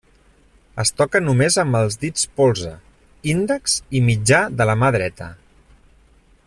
Es toca només amb els dits polze, índex i mitjà de la mà dreta.